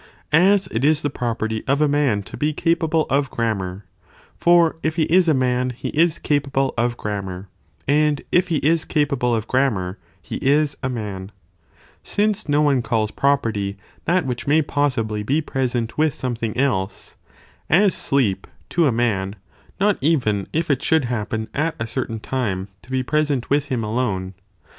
As it is the pro ἘΡΒΕΘΒΟ: ΤῸ of a man to be capable of grammar, for if he is a man he is capable of grammar, and if he is capable of grammar he is a man; since no one calls property that which may possibly be present with something else, as sleep to a man, not even if it should 'happen at a certain time to be present with him alone.